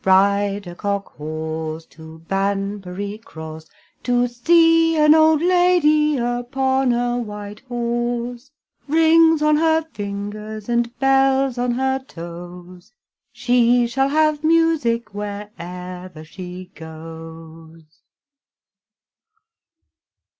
Ride a cock horse to Banbury Cross, To see an old lady upon a white horse, Rings on her fingers, and bells on her toes, She shall have music wherever she goes.